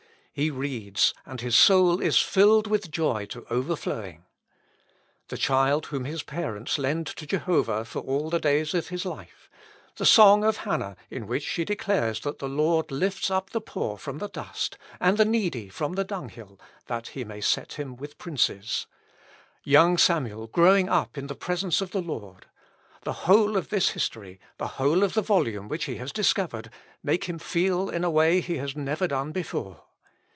He reads, and his soul is filled with joy to overflowing. The child whom his parents lend to Jehovah for all the days of his life; the song of Hannah, in which she declares that the Lord lifts up the poor from the dust, and the needy from the dunghill, that he may set him with princes; young Samuel growing up in the presence of the Lord; the whole of this history, the whole of the volume which he has discovered, make him feel in a way he has never done before.